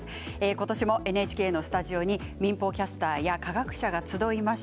今年もＮＨＫのスタジオに民放キャスターや科学者が集います。